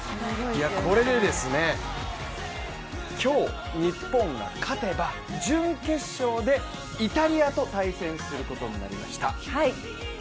これで今日、日本が勝てば準決勝でイタリアと対戦することになりました。